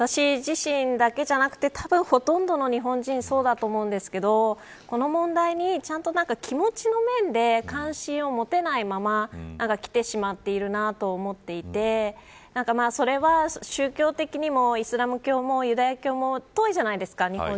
私自身だけなくて、たぶんほとんどの日本人はそうだと思うんですけどこの問題にちゃんと気持ちの面で関心を持てないままきてしまっているなと思っていてそれは、宗教的にもイスラム教もユダヤ教も遠いじゃないですか